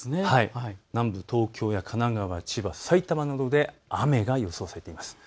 南部、東京や神奈川、千葉、埼玉などで雨が予想されています。